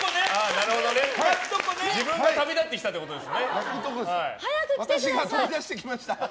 自分が旅立ってきたんですね。